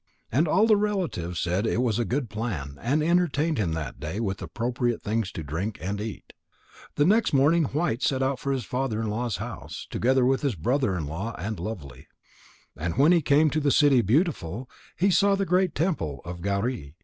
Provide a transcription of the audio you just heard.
And all the relatives said it was a good plan and entertained him that day with appropriate things to drink and eat. The next morning White set out for his father in law's house, together with his brother in law and Lovely. And when he came to the city Beautiful, he saw the great temple of Gauri.